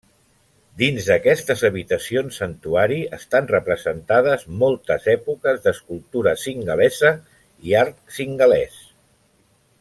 Dins d'aquestes habitacions santuari estan representades moltes èpoques d'escultura singalesa i art singalès.